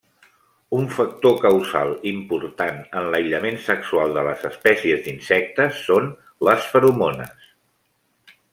Un factor causal important en l'aïllament sexual de les espècies d'insectes són les feromones.